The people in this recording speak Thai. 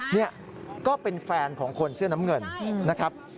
นี่ก็เป็นแฟนของคนเสื้อน้ำเงินนะครับ